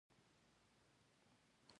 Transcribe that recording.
د یونیفورم ګنډل کورني دي؟